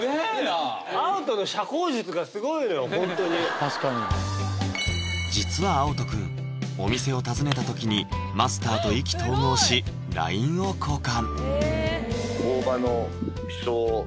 はいホントに確かに実はあおと君お店を訪ねた時にマスターと意気投合しＬＩＮＥを交換